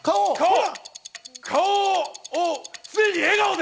顔を常に笑顔で！